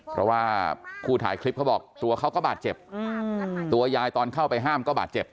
เพราะว่าผู้ถ่ายคลิปเขาบอกตัวเขาก็บาดเจ็บตัวยายตอนเข้าไปห้ามก็บาดเจ็บ